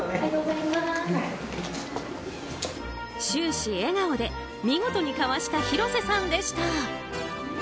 終始笑顔で見事にかわした広瀬さんでした。